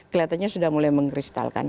kelihatannya sudah mulai mengkristalkan